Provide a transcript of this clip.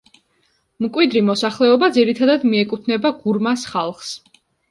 მკვიდრი მოსახლეობა ძირითადად მიეკუთვნება გურმას ხალხს.